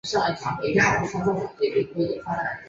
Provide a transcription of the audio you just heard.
他决定以医疗勤务的名义计画前往台湾。